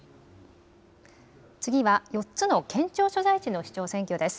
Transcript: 次は４つの県庁所在地の市長選挙です。